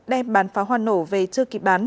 đem bán pháo hoa nổ về chưa kịp bán